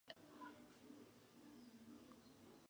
De este ambicioso proyecto nacieron las Anarchy Graphic Series.